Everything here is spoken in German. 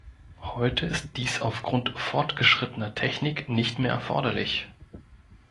Heute ist dies aufgrund fortgeschrittener Technik nicht mehr erforderlich.